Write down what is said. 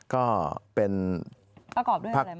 ก็เป็นพักฟรี